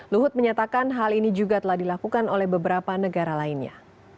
luhut menyatakan hal ini juga telah dilakukan oleh beberapa negara lainnya